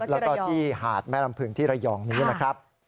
แล้วก็ที่หาดแม่ลำพึงที่ระยองนี้นะครับ